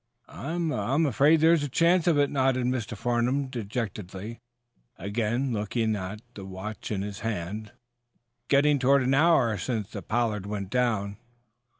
"I I'm afraid there is a chance of it," nodded Mr. Farnum, dejectedly, again looking at the watch in his hand. "It's getting on toward an hour since the 'Pollard' went down."